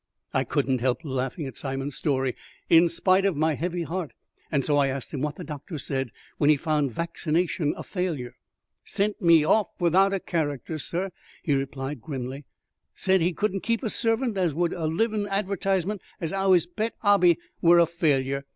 I could not help laughing at Simon's story, in spite of my heavy heart, and so I asked him what the doctor said when he found vaccination a failure. "Sent me off without a character, sur," he replied grimly. "Said he couldn't keep a servant as would be a livin' advertisement as 'ow his pet 'obby wer a failure.